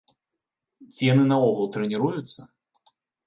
Ці яны наогул трэніруюцца?